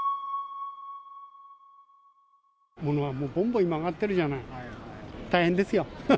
ものはもうぼんぼん上がってるじゃない、大変ですよ。